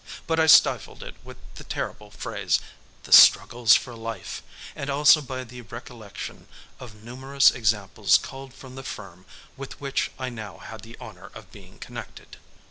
But I stifled it with the terrible phrase, "the struggle for life," and also by the recollection of numerous examples culled from the firm with which I now had the honor of being connected.